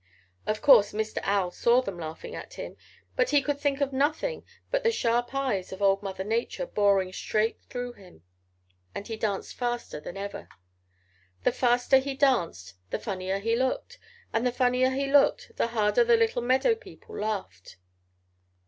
"Of course Mr. Owl saw them laughing at him, but he could think of nothing but the sharp eyes of old Mother Nature boring straight through him, and he danced faster than ever. The faster he danced the funnier he looked, and the funnier he looked the harder the little meadow people laughed.